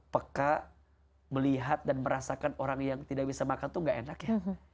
peka melihat dan merasakan orang yang tidak bisa makan tuh gak enak ya